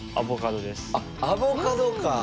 あっアボカドか。